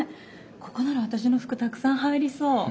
ここなら私の服たくさん入りそう。